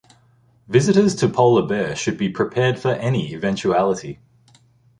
Visitors to Polar Bear should be prepared for any eventuality.